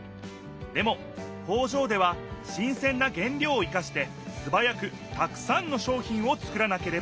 でも工場では新せんな原料を生かしてすばやくたくさんの商品をつくらなければならない。